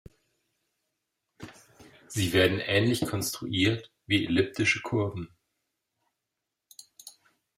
Sie werden ähnlich konstruiert wie Elliptische Kurven.